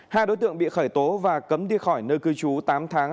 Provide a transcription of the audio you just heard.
hai đối tượng bị khởi tố và cấm đi khỏi nơi cư trú tám tháng